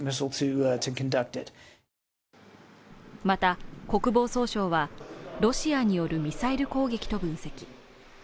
また国防総省は、ロシアによるミサイル攻撃と分析。